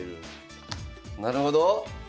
なるほど。